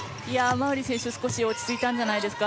馬瓜選手、少し落ち着いたんじゃないですか。